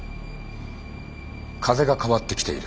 風が変わってきている。